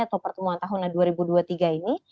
atau pertemuan tahunan dua ribu dua puluh tiga ini